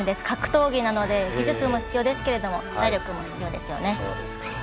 格闘技なので技術も必要ですけど体力も必要ですよね。